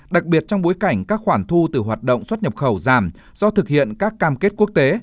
đặc biệt trong bối cảnh các khoản thu từ hoạt động xuất nhập khẩu giảm do thực hiện các cam kết quốc tế